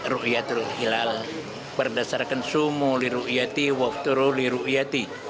rukyatul hilal berdasarkan sumu li rukyati wafturu li rukyati